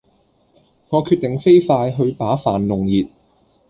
我決定飛快去把飯弄熱